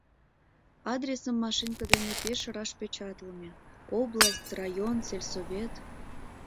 Адресым машинке дене пеш раш печатлыме: область, район, сельсовет.